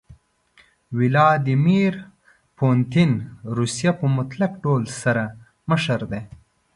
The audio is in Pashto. ويلاديمير پوتين روسيه په مطلق ډول سره مشر دي.